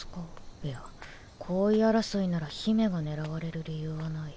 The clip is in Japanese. いや皇位争いなら公主が狙われる理由はない。